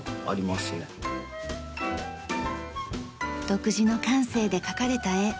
独自の感性で描かれた絵。